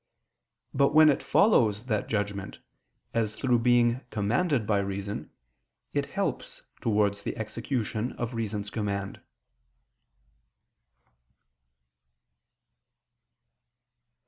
But when it follows that judgment, as through being commanded by reason, it helps towards the execution of reason's command.